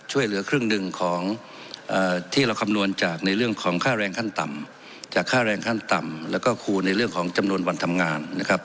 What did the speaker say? ช่วยเหลือครึ่งหนึ่งของที่เราคำนวณจากในเรื่องของค่าแรงขั้นต่ำจากค่าแรงขั้นต่ำแล้วก็คูณในเรื่องของจำนวนวันทำงานนะครับ